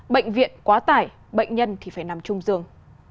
bệnh viện quá tải bệnh nhân thì phải nằm chung giường